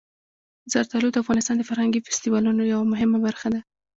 زردالو د افغانستان د فرهنګي فستیوالونو یوه مهمه برخه ده.